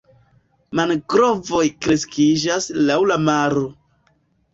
Mangrovoj kreskiĝas laŭ la maro.